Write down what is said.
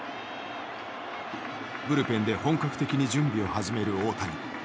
ブルペンで本格的に準備を始める大谷。